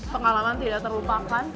pengalaman tidak terlupakan